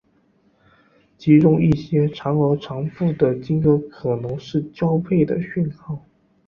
其中一些长而重复的鲸歌可能是交配的讯号。